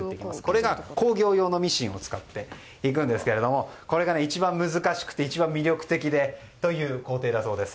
これが工業用のミシンを使っていくんですがこれが一番難しくて一番魅力的だという工程だそうです。